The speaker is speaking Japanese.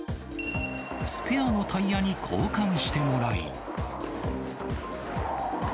スペアのタイヤに交換してもらい。